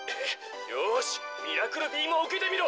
「よしミラクルビームをうけてみろ」。